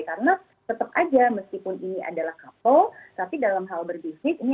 karena tetap aja meskipun ini adalah kapal tapi dalam hal berbisnis ini adalah mitra